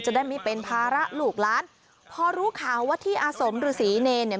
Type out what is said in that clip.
ได้ไม่เป็นภาระลูกล้านพอรู้ข่าวว่าที่อาสมฤษีเนรเนี่ย